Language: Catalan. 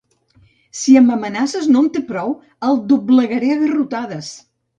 Si amb amenaces no en té prou, el doblegaré a garrotades!